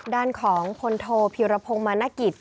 ด้านของพลโทพีรพงศ์มานกิจ